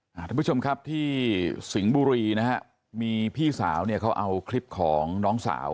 ท่านผู้ชมครับที่สิงห์บุรีนะฮะมีพี่สาวเนี่ยเขาเอาคลิปของน้องสาว